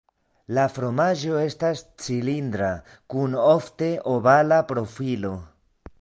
La fromaĝo estas cilindra kun ofte ovala profilo.